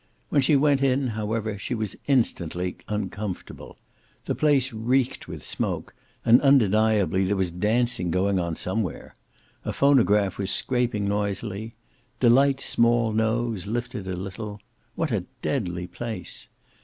When she went in, however, she was instantly uncomfortable. The place reeked with smoke, and undeniably there was dancing going on somewhere. A phonograph was scraping noisily. Delight's small nose lifted a little. What a deadly place!